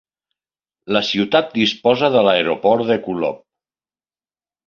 La ciutat disposa de l'aeroport de Kulob.